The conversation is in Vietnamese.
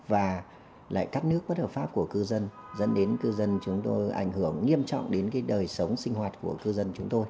và lại cắt nước bất hợp pháp của cư dân dẫn đến cư dân chúng tôi ảnh hưởng nghiêm trọng đến cái đời sống sinh hoạt của cư dân chúng tôi